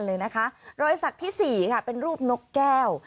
รอยสักที่๔เป็นรูปนกแก้ว